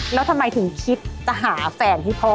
แล้วทำไมถึงคิดจะหาแฟนให้พ่อ